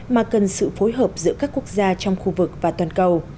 mà cần sự phối hợp giữa các quốc gia trong khu vực và toàn cầu